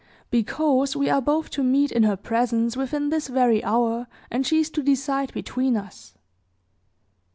"Because we are both to meet in her presence within this very hour, and she is to decide between us."